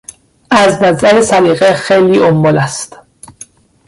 از نظر سلیقه خیلی امل است.